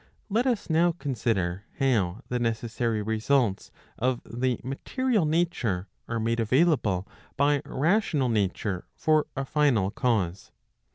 63 Let us now consider how the necessary results of the material nature are made available by rational nature for a final cause.'